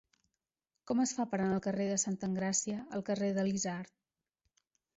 Com es fa per anar del carrer de Santa Engràcia al carrer de l'Isard?